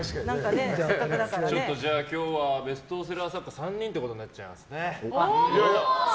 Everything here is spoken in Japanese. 今日はベストセラー作家３人ってことになっちゃいますね。